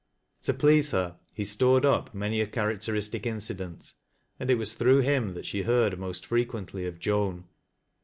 To please her he stored up many a characteristic incident, and it waa through him that she heard most fj'equently of Joan.